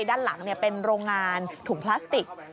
ด้านหลังเป็นโรงงานถุงพลาสติก